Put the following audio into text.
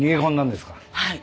はい。